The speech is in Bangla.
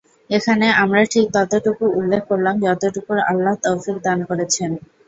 এখানে আমরা ঠিক ততটুকু উল্লেখ করলাম, যতটুকুর আল্লাহ তাওফীক দান করেছেন।